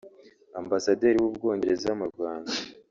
Ambasaderiw’u Bwongereza mu Rwanda